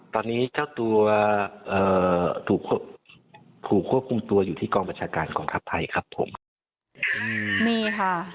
ตอนนี้เจ้าตัวเอ่อถูกควบคุมตัวอยู่ที่กองบัญชาการกองทัพไทยครับผมอืมนี่ค่ะ